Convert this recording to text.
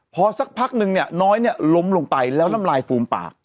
พอสักพักนึงเนี่ยน้อยเนี่ยล้มลงไปแล้วน้ำลายฟูมปาก